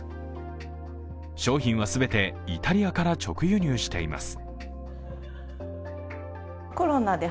商品は全てイタリアから直輸入しています。